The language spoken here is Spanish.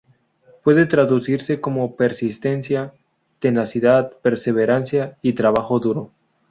Puede traducirse como persistencia, tenacidad, perseverancia y trabajo duro.